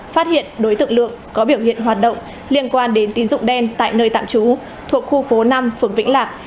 phát hiện đối tượng lượng có biểu hiện hoạt động liên quan đến tín dụng đen tại nơi tạm trú thuộc khu phố năm phường vĩnh lạc